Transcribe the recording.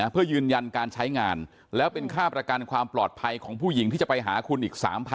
เพื่อยืนยันการใช้งานแล้วเป็นค่าประกันความปลอดภัยของผู้หญิงที่จะไปหาคุณอีก๓๐๐๐